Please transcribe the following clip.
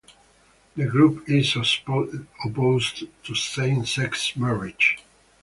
The group is opposed to same-sex marriage.